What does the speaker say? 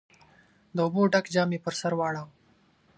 د اوبو ډک جام يې پر سر واړاوه.